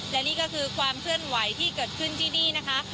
และนี่ก็คือความเคลื่อนไหวที่เกิดขึ้นที่นี่นะคะ